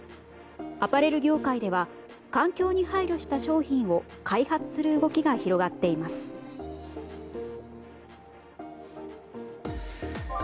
アパレル業界では環境に配慮した商品を開発する動きが広がっています。